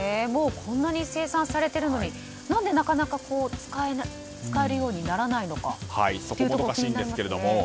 もうこんなに生産されているのになかなか使えるようにならないのか気になりますね。